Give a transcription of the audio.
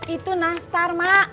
itu nastar mak